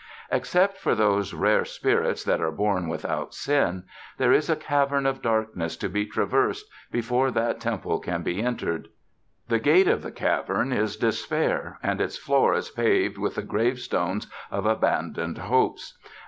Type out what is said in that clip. Except for those rare spirits that are born without sin, there is a cavern of darkness to be traversed before that temple can be entered. The gate of the cavern is despair, and its floor is paved with the gravestones of abandoned hopes.